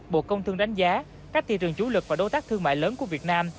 bộ công thương đánh giá các thị trường chủ lực và đối tác thương mại lớn của việt nam